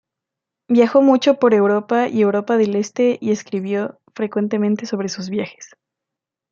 Viajó mucho por Europa y Europa del Este y escribió, frecuentemente sobre sus viajes.